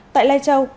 tại lai châu